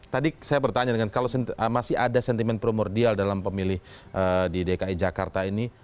tadi saya bertanya dengan kalau masih ada sentimen primordial dalam pemilih di dki jakarta ini